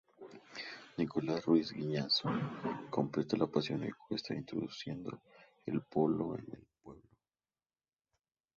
Nicolás Ruiz Guiñazú completa la pasión ecuestre introduciendo el polo en el pueblo.